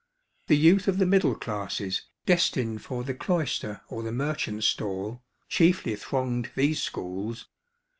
The youth of the middle classes, destined for the cloister or the merchant's stall, chiefly thronged these schools.